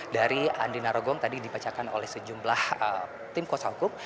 dari andi narogong tadi dibacakan oleh sejumlah tim kuasa hukum